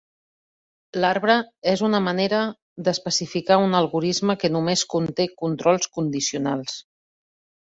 L'arbre és una manera d'especificar un algorisme que només conté controls condicionals.